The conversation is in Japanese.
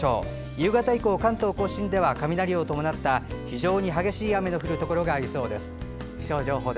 夕方以降は関東・甲信では雷を伴った非常に激しい雨の降るところがありそうです。